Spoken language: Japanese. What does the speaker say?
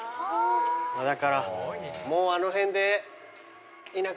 だからもうあの辺で。